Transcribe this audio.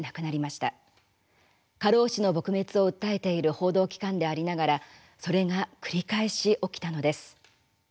過労死の撲滅を訴えている報道機関でありながらそれが繰り返し起きたのです。